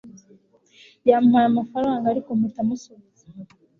yampaye amafaranga, ariko mpita musubiza